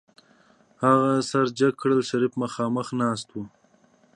هغې سر جګ کړ شريف مخاخ ناست و.